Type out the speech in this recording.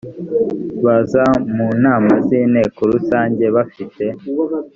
baza mu nama z inteko rusange bafite